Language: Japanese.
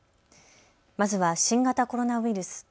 まずは新型コロナウイルス。